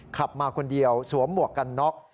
ขับมาคนเดียวสวมหมวกกันน็อก